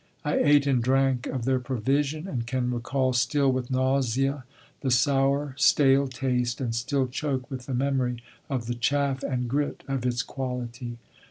I ate and drank of their provision and can recall still with nausea the sour, stale taste, and still choke with the memory of the chaff and grit of its quality.